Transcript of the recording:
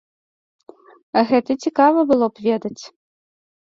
Гэта цікава было б ведаць.